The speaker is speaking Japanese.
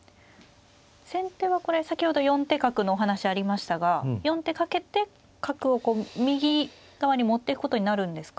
先手はこれ先ほど四手角のお話ありましたが４手かけて角をこう右側に持っていくことになるんですか。